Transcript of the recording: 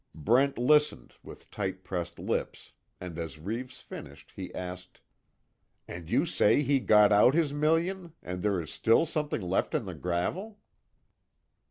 Brent listened, with tight pressed lips, and as Reeves finished, he asked: "And you say he got out his million, and there is still something left in the gravel?"